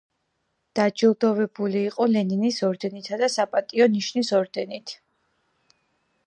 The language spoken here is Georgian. დაჯილდოვებული იყო ლენინის ორდენითა და „საპატიო ნიშნის“ ორდენით.